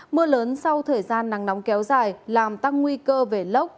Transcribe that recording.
mưa lớn sau thời gian nắng nóng kéo dài làm tăng nguy cơ về lốc